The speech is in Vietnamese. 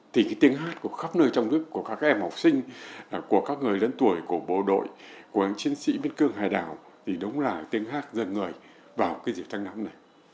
thì cái tiếng hát của khắp nơi trong nước của các em học sinh của các người lớn tuổi của bộ đội của chiến sĩ biên cương hải đảo thì đúng là tiếng hát dân người vào cái dịp thanh nắm này